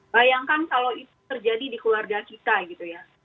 bayangkan kalau itu terjadi di keluarga kita gitu ya